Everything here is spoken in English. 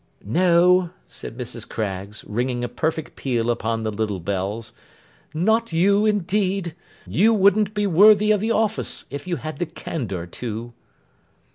'No,' said Mrs. Craggs, ringing a perfect peal upon the little bells. 'Not you, indeed. You wouldn't be worthy of the office, if you had the candour to.